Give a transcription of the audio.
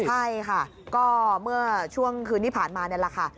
ใช่ค่ะก็เมื่อช่วงคืนที่ผ่านมานี่แหละค่ะ